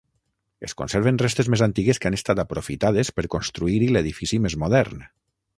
Es conserven restes més antigues que han estat aprofitades per construir-hi l'edifici més modern.